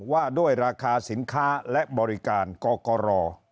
ว่าด้วยราคาสินค้าและบริการกกร